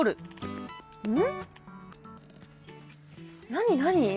何何？